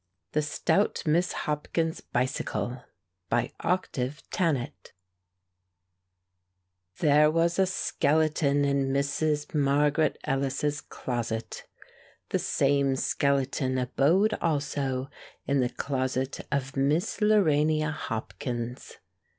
The Stout Miss Hopkins's Bicycle BY OCTAVE THANET There was a skeleton in Mrs. Margaret Ellis's closet; the same skeleton abode also in the closet of Miss Lorania Hopkins.